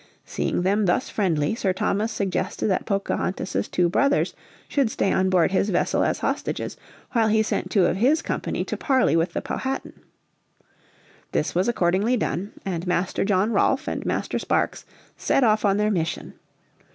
Seeing them thus friendly Sir Thomas suggested that Pocahontas' two brothers should stay on board his vessel as hostages while he sent two of his company to parley with the Powhatan. This was accordingly done, and Master John Rolfe and Master Sparkes set off on their mission.